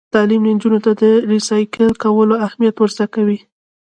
تعلیم نجونو ته د ریسایکل کولو اهمیت ور زده کوي.